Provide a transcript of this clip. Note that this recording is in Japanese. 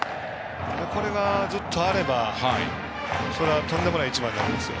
これが、ずっとあればとんでもない１番になりますよ。